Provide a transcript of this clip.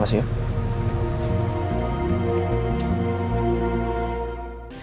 assalamualaikum warahmatullahi wabarakatuh